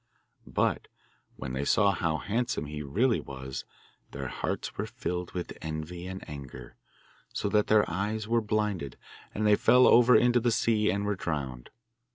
But when they saw how handsome he really was their hearts were filled with envy and anger, so that their eyes were blinded, and they fell over into the sea and were drowned.